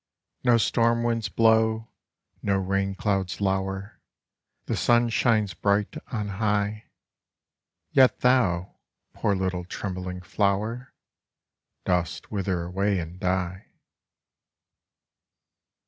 No stormwinds blow, no rain clouds lower, The sun shines bright on high. Yet thou, poor little trembling flower. Dost wither away and die.